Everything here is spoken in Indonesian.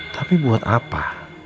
tapi buat apa